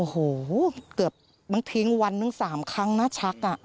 โอ้โฮเกือบมันทิ้งวันหนึ่ง๓ครั้งนะชัก